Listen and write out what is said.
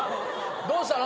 どうしたの？